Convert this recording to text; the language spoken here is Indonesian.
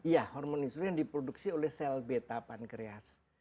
iya hormon insulin yang diproduksi oleh sel beta pankreas